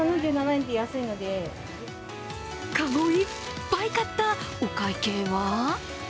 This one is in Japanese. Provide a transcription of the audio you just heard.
かごいっぱい買ったお会計は？